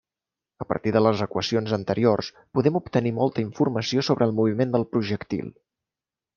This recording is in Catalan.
A partir de les equacions anteriors podem obtenir molta informació sobre el moviment del projectil.